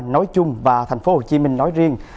nói chung và tp hcm nói riêng